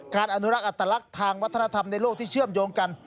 อนุรักษ์อัตลักษณ์ทางวัฒนธรรมในโลกที่เชื่อมโยงกัน